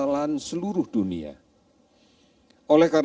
bahwa virus covid sembilan belas ini tidak hanya untuk kita